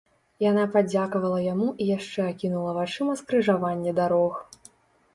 Яна падзякавала яму і яшчэ акінула вачыма скрыжаванне дарог.